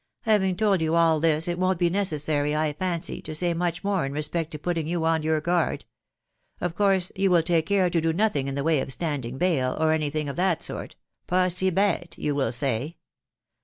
Having told you all this, it wo'n't be necessary, I fancy, to say much more in respect to putting you on your guard. ... Of course, you will take care to do nothing in the way of standing bail, or any thing of that sort •.• paw see bate, you will say.